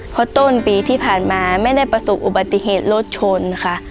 เพราะต้นปีที่ผ่านมาไม่ได้ประสบอุบัติเหตุรถชนค่ะ